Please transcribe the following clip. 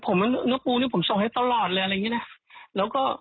ผมน้องกลูเนี้ยผมซองให้ตลอดเลยอะไรเงี้ยแล้วก็